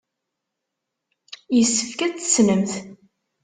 Yessefk ad t-tessnemt.